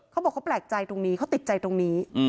เขาบอกเขาแปลกใจตรงนี้เขาติดใจตรงนี้